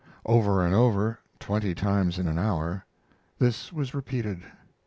Over and over twenty times in an hour this was repeated.